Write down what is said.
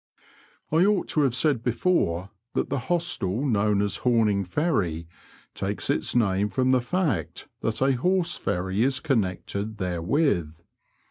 I ought to have said before that the hostel known as Hom ing Ferry takes its name from the fact that a horse ferry is con nected therewith.